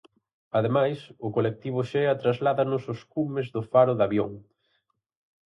Ademais, o colectivo Xea trasládanos aos cumes do Faro de Avión.